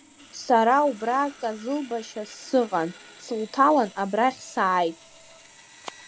Сара убра казылбашьс сыҟан, сылҭалан абрахь сааит.